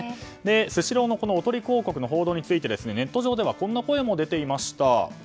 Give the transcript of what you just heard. スシローのおとり広告の報道についてネット上ではこんな声も出ていました。